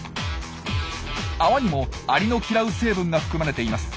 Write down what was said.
泡にもアリの嫌う成分が含まれています。